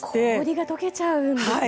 氷が解けちゃうんですね。